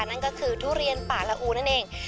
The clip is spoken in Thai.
นั่นก็คือทุเรียนป่าละอูนั่นเอง